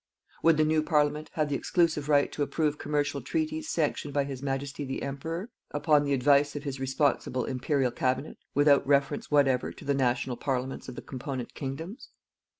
Would the new Parliament have the exclusive right to approve commercial treaties sanctioned by His Majesty the Emperor, upon the advice of his responsible Imperial Cabinet, without reference whatever to the National Parliaments of the component Kingdoms?